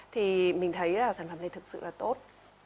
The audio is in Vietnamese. thì mình thấy là sản phẩm này thực sự là tốt